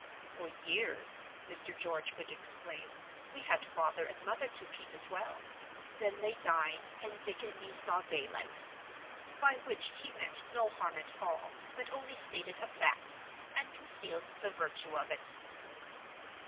"For years," Mr. George would explain, "we had father and mother to keep as well; then they died, and Dick and me saw daylight." By which he meant no harm at all, but only stated a fact, and concealed the virtue of it.